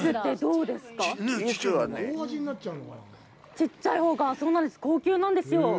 ちっちゃいほうが高級なんですよ。